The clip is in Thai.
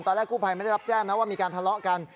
แรกกู้ภัยไม่ได้รับแจ้งนะว่ามีการทะเลาะกัน